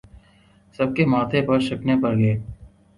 سب کے ماتھے پر شکنیں پڑ گئیں